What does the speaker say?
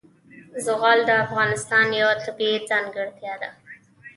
زغال د افغانستان یوه طبیعي ځانګړتیا ده.